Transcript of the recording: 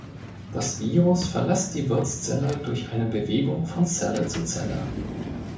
Das Virus verlässt die Wirtszelle durch eine Bewegung von Zelle zu Zelle.